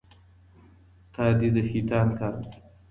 تادي د شيطان کار دی.